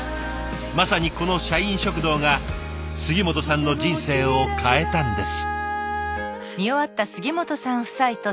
まさにこの社員食堂が杉本さんの人生を変えたんです。